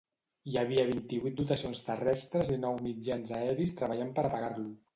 Hi havia vint-i-vuit dotacions terrestres i nou mitjans aeris treballant per apagar-lo.